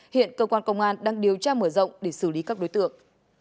hiện cơ quan công an đang điều tra mở rộng để xử lý các đối tượng